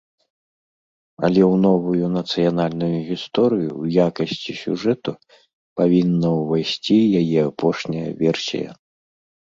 Але ў новую нацыянальную гісторыю ў якасці сюжэту павінна ўвайсці яе апошняя версія.